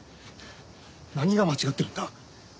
何が間違ってるんだ？